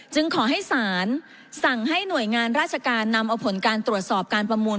ขอให้ศาลสั่งให้หน่วยงานราชการนำเอาผลการตรวจสอบการประมูล